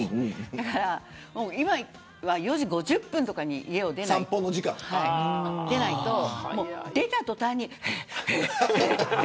だから今、４時５０分とかに散歩に出ないと出た途端にハァハァハァって。